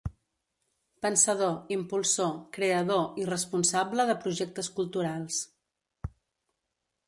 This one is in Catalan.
Pensador, impulsor, creador i responsable de projectes culturals.